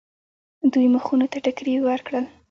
دوی مخونو ته ټکرې ورکړل.